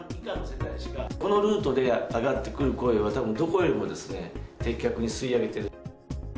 このルートで上がってくる声は、たぶん、どこよりも的確に吸い上げている。